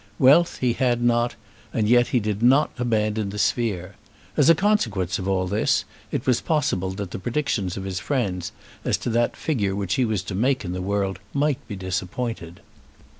Wealth he had not, and yet he did not abandon the sphere. As a consequence of all this, it was possible that the predictions of his friends as to that figure which he was to make in the world might be disappointed.